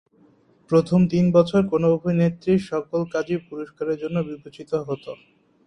প্রথম তিন বছর কোন অভিনেত্রীর সকল কাজই পুরস্কারের জন্য বিবেচিত হত।